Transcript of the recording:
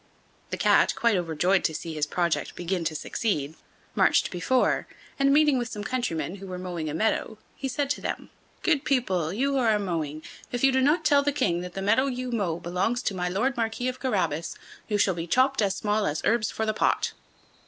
The Cat, quite overjoyed to see his project begin to succeed, marched on before, and, meeting with some countrymen, who were mowing a meadow, he said to them: "Good people, you who are mowing, if you do not tell the King that the meadow you mow belongs to my Lord Marquis of Carabas, you shall be chopped as small as herbs for the pot."